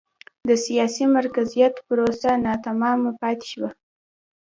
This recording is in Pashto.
د سیاسي مرکزیت پروسه ناتمامه پاتې شوه.